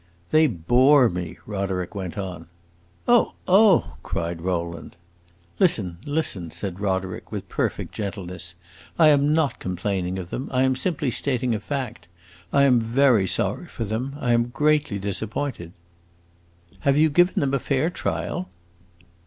"They bore me!" Roderick went on. "Oh, oh!" cried Rowland. "Listen, listen!" said Roderick with perfect gentleness. "I am not complaining of them; I am simply stating a fact. I am very sorry for them; I am greatly disappointed." "Have you given them a fair trial?"